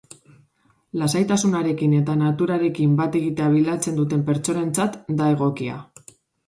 Lasaitasunarekin eta naturarekin bat egitea bilatzen duten pertsonentzat da egokia.